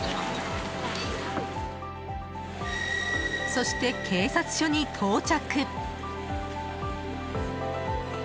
そして警察署に到着。